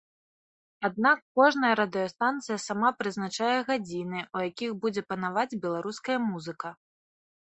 Аднак кожная радыёстанцыя сама прызначае гадзіны, у якіх будзе панаваць беларуская музыка.